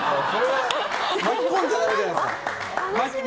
巻き込んじゃダメじゃないですか。